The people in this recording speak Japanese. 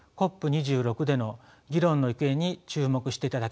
２６での議論の行方に注目していただきたいと思います。